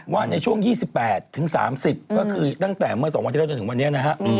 ว่าในช่วง๒๘ถึง๓๐ก็คือตั้งแต่เมื่อ๒วัน๒๐๐๐ที่ถึงวันนี้นะครับ